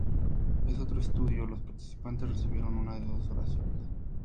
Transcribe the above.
En otro estudio, los participantes recibieron una de dos oraciones.